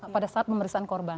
pada saat pemeriksaan korban